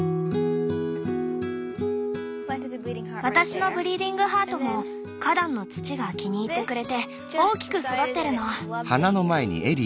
私のブリーディングハートも花壇の土が気に入ってくれて大きく育ってるの。